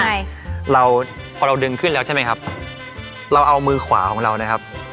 ใช่เราพอเราดึงขึ้นแล้วใช่ไหมครับเราเอามือขวาของเรานะครับ